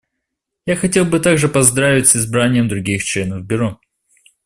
Я хотел бы также поздравить с избранием других членов Бюро.